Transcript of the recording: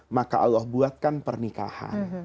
maka allah buatkan pernikahan